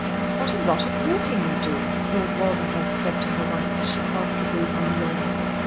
"What a lot of walking you do!" Lord Walderhurst said to her once, as she passed the group on the lawn.